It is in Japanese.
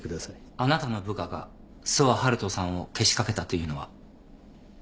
あなたの部下が諏訪遙人さんをけしかけたというのは？